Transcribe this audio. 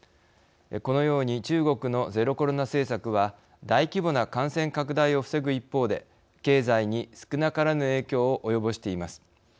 このように中国のゼロコロナ政策は大規模な感染拡大を防ぐ一方で経済に少なからぬ影響を及ぼしています。